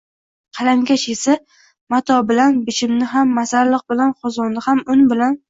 Qalamkash esa, “mato” bilan “bichim”ni ham, “masalliq” bilan “qozon”ni ham, “un” bilan